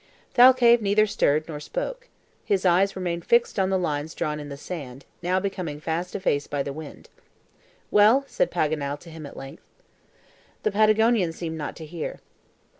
Thalcave neither stirred nor spoke. His eyes remained fixed on the lines drawn on the sand, now becoming fast effaced by the wind. "Well?" said Paganel to him at length. The Patagonian seemed not to hear.